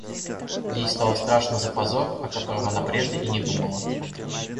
Ей стало страшно за позор, о котором она прежде и не думала.